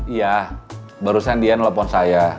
iya barusan dia nelfon saya